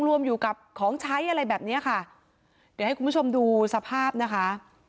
รวมอยู่กับของใช้อะไรแบบเนี้ยค่ะเดี๋ยวให้คุณผู้ชมดูสภาพนะคะ